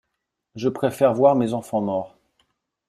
Je préfère voir mes enfants morts.